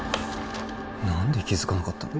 何で気づかなかったんだ